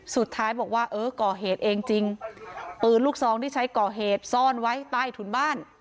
สุดท้ายบอกว่าเออก่อเหตุเองจริงปืนลูกซองที่ใช้ก่อเหตุซ่อนไว้ใต้ถุนบ้าน